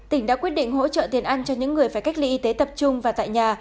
tỉnh đã quyết định hỗ trợ tiền ăn cho những người phải cách ly y tế tập trung và tại nhà